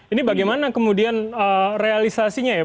ini bagaimana kemudian realisasinya ya